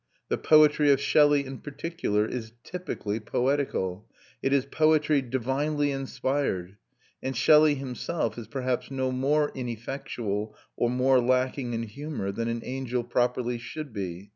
The poetry of Shelley in particular is typically poetical. It is poetry divinely inspired; and Shelley himself is perhaps no more ineffectual or more lacking in humour than an angel properly should be.